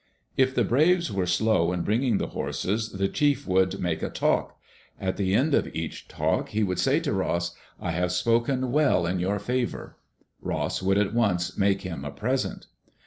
If the braves were slow in bringing the horses, the chief would make a " talk." At the end of each talk he would say to Ross, " I have spoken well in your favor." Ross would at once make him a present.